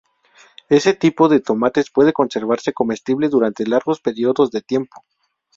Este tipo de tomates puede conservarse comestible durante largos periodos de tiempo.